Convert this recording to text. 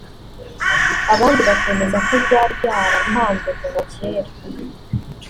abandi bakemeza ko byari byarapanzwe kuva kera